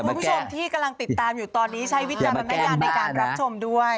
คุณผู้ชมที่กำลังติดตามอยู่ตอนนี้ใช้วิจารณญาณในการรับชมด้วย